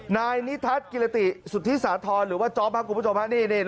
นายนิทัศน์กิรติสุธิสาธรณ์หรือว่าจ๊อปครับคุณผู้ชมฮะ